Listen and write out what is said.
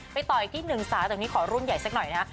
ต่ออีกที่หนึ่งสาวจากนี้ขอรุ่นใหญ่สักหน่อยนะฮะ